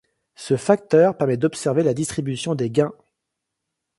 Ce facteur permet d’observer la distribution des gains.